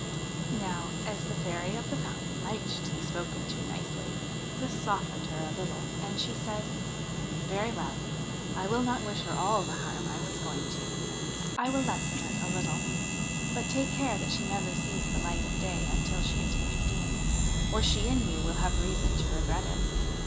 48 THE HIND OF THE WOOD Now, as the Fairy of the Fountain liked to be spoken to nicely, this softened her a little, and she said :' Very well, I will not wish her all the harm I was going to ; I will lessen it a little. But take care that she never sees the light of day until she is fifteen, or she and you will have reason to regret it.